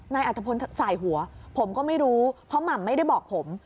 อัตภพลสายหัวผมก็ไม่รู้เพราะหม่ำไม่ได้บอกผม